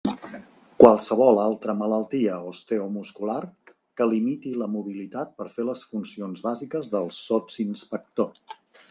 Qualsevol altra malaltia osteomuscular que limiti la mobilitat per fer les funcions bàsiques del sotsinspector.